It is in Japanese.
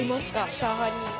チャーハンに。